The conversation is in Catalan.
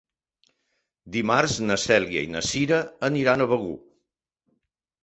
Dimarts na Cèlia i na Cira aniran a Begur.